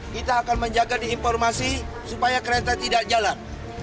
kita akan menjaga di informasi supaya kereta tidak jalan